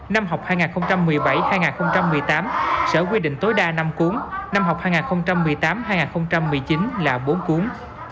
năm học hai nghìn một mươi bảy hai nghìn một mươi tám sở quy định tối đa năm cuốn năm học hai nghìn một mươi tám hai nghìn một mươi chín là bốn cuốn